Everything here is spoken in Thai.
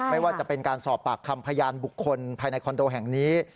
ไม่ว่าจะเป็นการสอบปากคำพยานบุคคลภายในคอนโดแห่งนี้